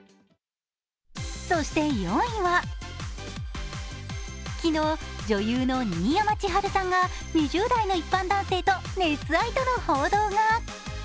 そして４位は、昨日、女優の新山千春さんが２０代の一般男性と熱愛との報道が。